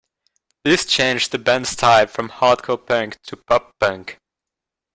This changed the band's style from hardcore punk to pop punk.